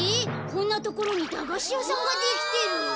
こんなところにだがしやさんができてる。